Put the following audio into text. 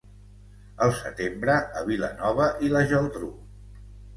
el setembre a Vilanova i la Geltrú